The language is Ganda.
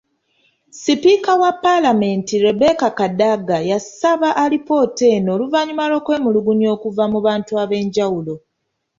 Sipiika wa Paalamenti Rebecca Kadaga yasaba alipoota eno oluvannyuma lw'okwemulugunya okuva mu bantu ab'enjawulo.